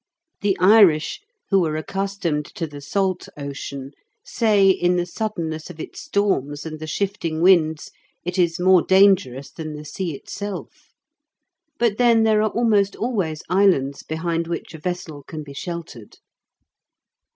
The Irish, who are accustomed to the salt ocean, say, in the suddenness of its storms and the shifting winds, it is more dangerous than the sea itself. But then there are almost always islands, behind which a vessel can be sheltered.